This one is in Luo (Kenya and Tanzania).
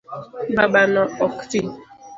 Babano ok ti